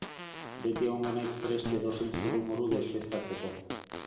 Beti egongo naiz prest edozein zurrumurru deuseztatzeko.